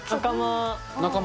仲間。